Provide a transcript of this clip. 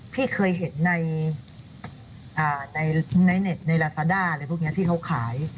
พี่เคยเห็นในเน็ตในลาซาด้าอะไรพวกนี้ที่เขาขาย